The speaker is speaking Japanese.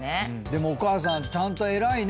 でもお母さんちゃんと偉いね。